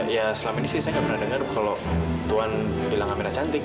ya selama ini sih saya gak pernah dengar kalau tuan bilang amira cantik